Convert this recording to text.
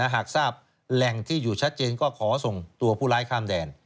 หากทราบแหล่งที่อยู่ชัดเจนก็ขอส่งตัวผู้ร้ายข้ามแดน